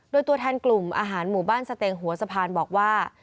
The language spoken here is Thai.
โดยตัวแทนกลุ่มอาหารหมู่บ้านสเตงหัวสะพานบอกว่า